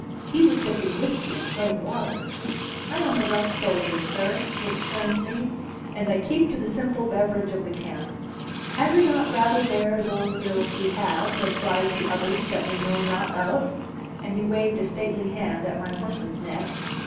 He was sipping whiskey and plain water. "I am a rough soldiers sir," he explained to me, "and I keep to the simple beverage of the camp. Had we not 'rather bear those ills we have than fly to others that we know not of'?" And he waved a stately hand at my horse's neck.